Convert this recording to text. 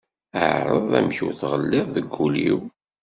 Ԑreḍ amek ur tɣelliḍ deg ul-iw.